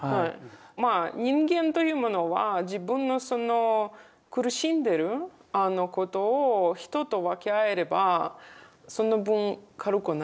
まあ人間というものは自分のその苦しんでることを人と分け合えればその分軽くなりますから。